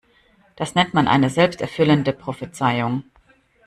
Das nennt man eine selbsterfüllende Prophezeiung.